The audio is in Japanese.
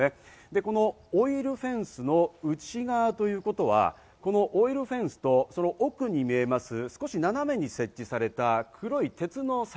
で、このオイルフェンスの内側ということはこのオイルフェンスと、その奥に見えます、少し斜めに設置された黒い鉄の柵。